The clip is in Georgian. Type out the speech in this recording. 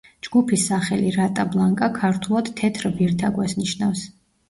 ჯგუფის სახელი „რატა ბლანკა“ ქართულად „თეთრ ვირთაგვას“ ნიშნავს.